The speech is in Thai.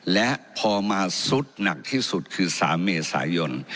และพอมาซุดหนักที่สุดคือ๓เมษายน